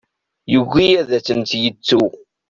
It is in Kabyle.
Yugi ad tent-yettu.